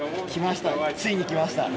ついに来ました。